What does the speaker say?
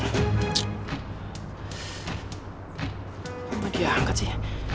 kenapa dia angkat sih